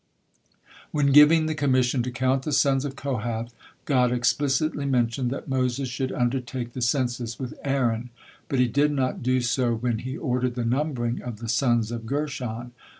When giving the commission to count the sons of Kohath, God explicitly mentioned that Moses should undertake the census with Aaron, but He did not do so when He ordered the numbering of the sons of Gershon.